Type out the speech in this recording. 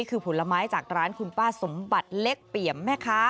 คือผลไม้จากร้านคุณป้าสมบัติเล็กเปี่ยมแม่ค้า